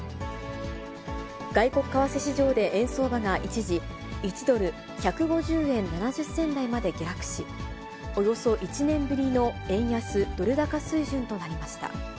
外国為替市場で円相場が一時、１ドル１５０円７０銭台まで下落し、およそ１年ぶりの円安ドル高水準となりました。